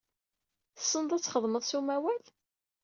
Tessned ad txedmed s umawal?